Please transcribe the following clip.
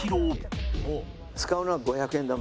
使うのは５００円玉。